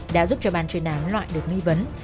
đã giúp cho bàn truyền án loại được nghi vấn